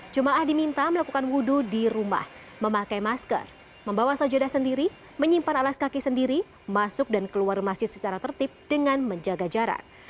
jemaah diminta melakukan wudhu di rumah memakai masker membawa sajadah sendiri menyimpan alas kaki sendiri masuk dan keluar masjid secara tertib dengan menjaga jarak